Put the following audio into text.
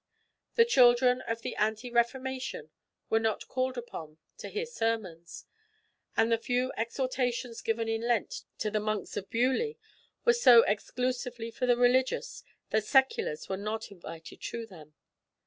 The children of the ante reformation were not called upon to hear sermons; and the few exhortations given in Lent to the monks of Beaulieu were so exclusively for the religious that seculars were not invited to them.